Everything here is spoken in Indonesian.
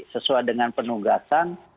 sesuai dengan penugasan